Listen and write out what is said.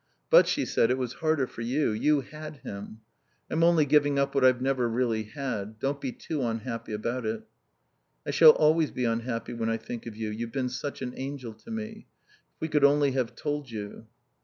But," she said, "it was harder for you. You had him. I'm only giving up what I've never really had. Don't be too unhappy about it." "I shall always be unhappy when I think of you. You've been such an angel to me. If we could only have told you."